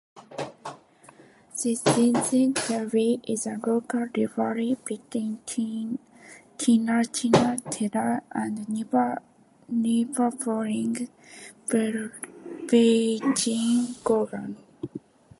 The Jing-Jin derby is a local rivalry between Tianjin Teda and neighboring Beijing Guoan.